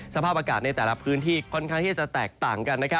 สภาพอากาศในแต่ละพื้นที่ค่อนข้างที่จะแตกต่างกัน